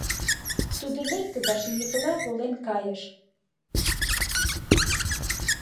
Тудо лекте да шеҥгекыла волен кайыш.